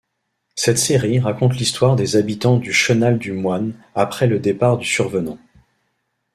Cette série raconte l'histoire des habitants du Chenal-du-Moine après le départ du Survenant.